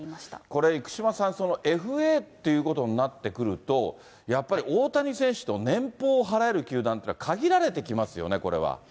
これ、生島さん、ＦＡっていうことになってくると、やっぱり大谷選手の年俸を払える球団というのは限られてきますよ